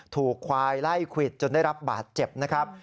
ถูกควายไล่ควิดจนได้รับบาดเจ็บนะครับ